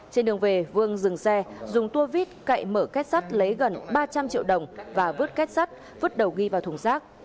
trên đường về vương dừng xe dùng tua vít cậy mở két sát lấy gần ba trăm linh triệu đồng và vứt két sát vứt đầu ghi vào thùng xác